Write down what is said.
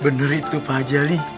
benar itu pak haji ali